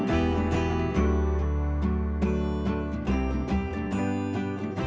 hẹn gặp lại